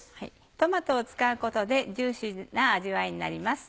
トマトを使うことでジューシーな味わいになります。